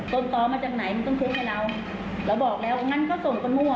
ต่อมาจากไหนมันต้องทุบให้เราเราบอกแล้วงั้นก็ส่งคนมั่ว